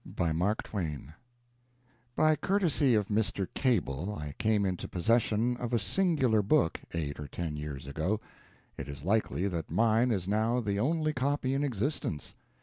A CURE FOR THE BLUES By courtesy of Mr. Cable I came into possession of a singular book eight or ten years ago. It is likely that mine is now the only copy in existence.